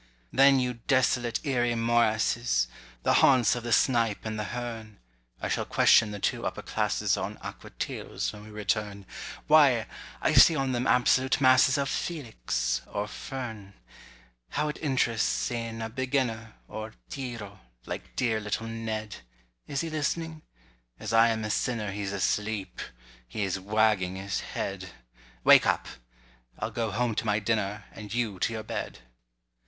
Then yon desolate eerie morasses, The haunts of the snipe and the hern— (I shall question the two upper classes On aquatiles, when we return)— Why, I see on them absolute masses Of filix or fern. How it interests e'en a beginner (Or tiro) like dear little Ned! Is he listening? As I am a sinner He's asleep—he is wagging his head. Wake up! I'll go home to my dinner, And you to your bed.